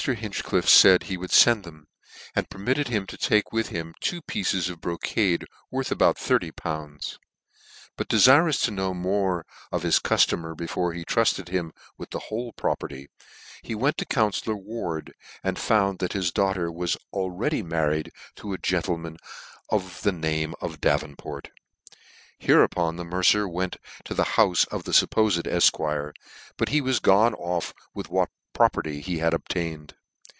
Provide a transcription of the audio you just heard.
Hinchcliffe faid he would fend them, and permitted him to take with him two pieces o brocade worth about thirty pounds : but defirous to know more of his cullomer before he trufted him with the whole property, he went to coun fellor Ward, and found that his daughter was already married to a gentleman of the name of Davenport. Hereupon the mercer went to the houfe of the fuppofed efquire, but he was gone off with what property he had obtained.